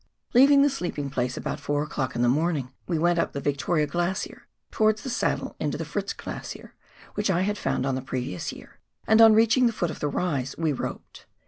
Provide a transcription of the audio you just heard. Leaving the sleep ing place about 4 o'clock in the morning, we went up the Victoria Glacier towards the saddle into the Fritz Glacier, which I had found on the previous year, and on reaching the foot of the rise, we roped.